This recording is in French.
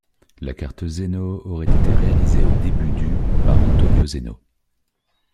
La carte Zeno aurait été réalisée au début du par Antonio Zeno.